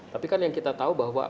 tapi kan yang kita tahu bahwa